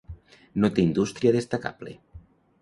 No té indústria destacable.